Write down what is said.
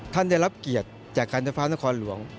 ได้รับเกียรติจากการไฟฟ้านครหลวง